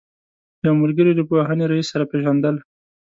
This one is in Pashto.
یو ملګري له پوهنې رئیس سره پېژندل.